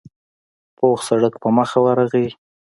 پوخ سړک په مخه ورغی.